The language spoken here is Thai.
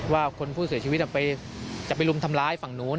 ว่าคนผู้เสียชีวิตจะไปรุมทำร้ายฝั่งนู้น